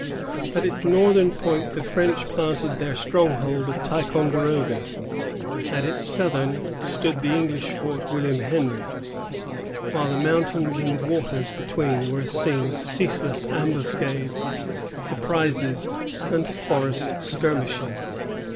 At its northern point the French planted their stronghold of Ticonderoga; at its southern stood the English fort William Henry, while the mountains and waters between were a scene of ceaseless ambuscades, surprises, and forest skirmishing.